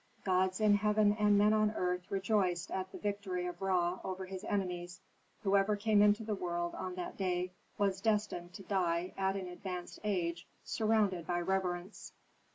Gods in heaven and men on earth rejoiced at the victory of Ra over his enemies; whoever came into the world on that day was destined to die at an advanced age surrounded by reverence.